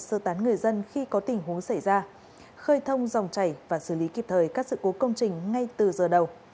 sơ tán người dân khi có tình huống xảy ra khơi thông dòng chảy và xử lý kịp thời các sự cố công trình ngay từ giờ đầu